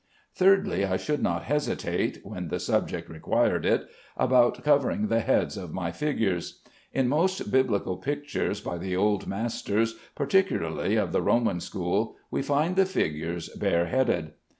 Thirdly, I should not hesitate (when the subject required it) about covering the heads of my figures. In most Biblical pictures by the old masters, particularly of the Roman school, we find the figures bareheaded.